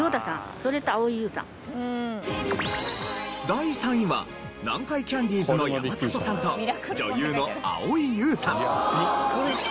第３位は南海キャンディーズの山里さんと女優の蒼井優さん。